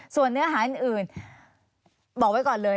สวัสดีครับ